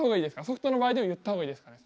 ソフトの場合でも言った方がいいですかね？